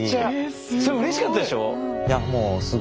すごい。それうれしかったでしょ？